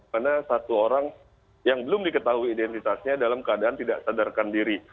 karena satu orang yang belum diketahui identitasnya dalam keadaan tidak sadarkan diri